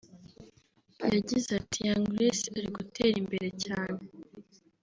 yagize ati “Young Grace ari gutera imbere cyane